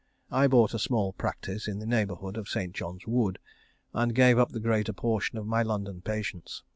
I bought a small practice in the neighbourhood of St. John's Wood, and gave up the greater portion of my London patients.